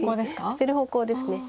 捨てる方向です。